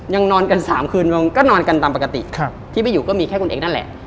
นอนกัน๓คืนก็นอนกันตามปกติที่ไปอยู่ก็มีแค่คุณเอกนั่นแหละ